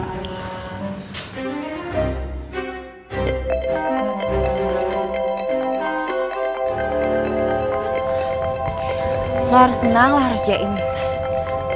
lo harus senang lo harus jayain